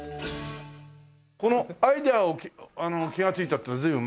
このアイデアを気がついたってのは随分前ですか？